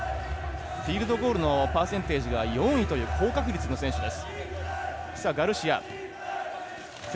フィールドゴールのパーセンテージが４割という高確率の選手です。